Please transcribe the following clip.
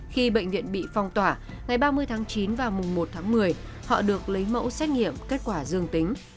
khi bệnh viện bị phong tỏa ngày ba mươi tháng chín và mùng một tháng một mươi họ được lấy mẫu xét nghiệm kết quả dương tính